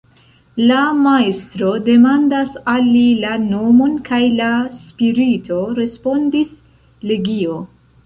La Majstro demandas al li la nomon, kaj la spirito respondis: "legio".